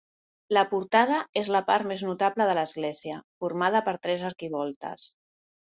La portada és la part més notable de l'església, formada per tres arquivoltes.